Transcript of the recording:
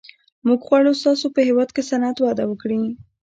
موږ غواړو ستاسو په هېواد کې صنعت وده وکړي